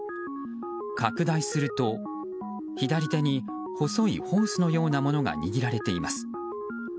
拡大すると、左手に細いホースのようなものが握られています。